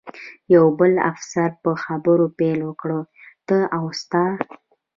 یو بل افسر په خبرو پیل وکړ، ته او ستا.